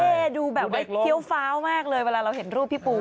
ดูแบบว่าเคี้ยวฟ้าวมากเลยเวลาเราเห็นรูปพี่ปู